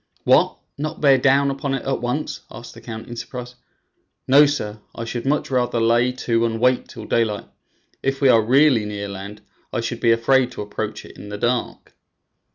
"What! not bear down upon it at once?" asked the count in surprise. "No, sir; I should much rather lay to and wait till daylight. If we are really near land, I should be afraid to approach it in the dark."